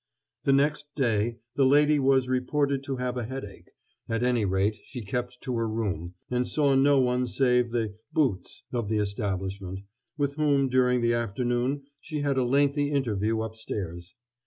The next day the lady was reported to have a headache at any rate she kept to her room, and saw no one save the "boots" of the establishment, with whom during the afternoon she had a lengthy interview upstairs.